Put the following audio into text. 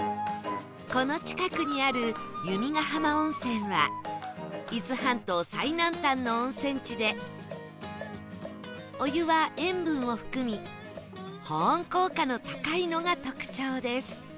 この近くにある弓ヶ浜温泉は伊豆半島最南端の温泉地でお湯は塩分を含み保温効果の高いのが特徴です